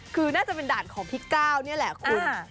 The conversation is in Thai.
คือน่าจะเป็นด่านของพี่ก้าวนี่แหละคุณ